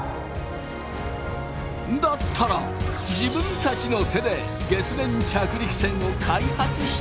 「だったら自分たちの手で月面着陸船を開発してしまおう！」。